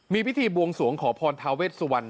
มีพิธีบวงสวงขอพรทาเวสวรรณ